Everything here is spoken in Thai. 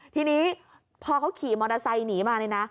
ทีนี้พอเขาขี่มอเตอร์ไซค์หนีมาเนี่ยนะ